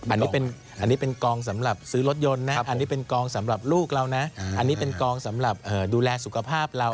อันนี้เป็นกองสำหรับซื้อรถยนต์นะอันนี้เป็นกองสำหรับลูกเรานะอันนี้เป็นกองสำหรับดูแลสุขภาพเรา